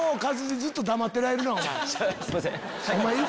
すいません！